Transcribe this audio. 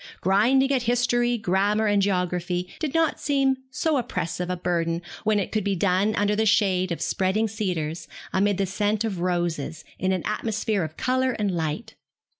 Grinding at history, grammar, and geography did not seem so oppressive a burden when it could be done under the shade of spreading cedars, amid the scent of roses, in an atmosphere of colour and light.